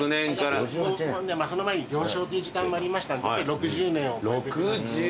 その前に行商という時間もありましたんで６０年を超えて。